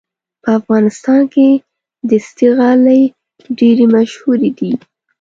په افغانستان کې دستي غالۍ ډېرې مشهورې دي.